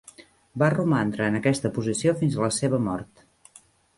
Va romandre en aquesta posició fins a la seva mort.